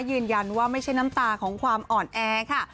ยืนยันว่าไม่ใช่น้ำตาของความอ่อนแอค่ะ